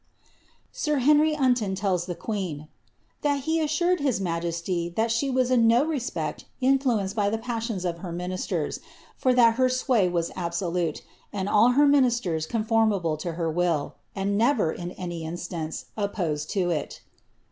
Sir Henry Unton tells the queen, ^^ that he assured his majesty that the was in no respect influenced by the passions of her ministers, foi that her sway was absolute, and all her ministers conformable to her will, and never, in any instance, opposed to it."